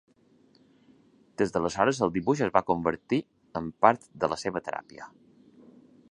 Des d’aleshores, el dibuix es va convertir en part de la seva teràpia.